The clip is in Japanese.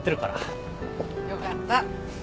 よかった。